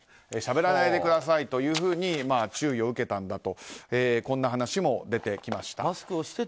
しゃべらないでくださいと注意を受けたんだとこんな話も出てきました。